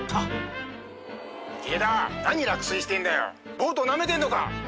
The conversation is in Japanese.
ボートなめてんのか！